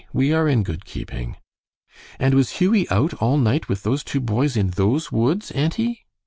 We are in good keeping." "And was Hughie out all night with those two boys in those woods, auntie?"